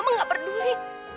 mama gak peduli